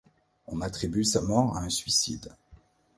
On attribue sa mort à un suicide.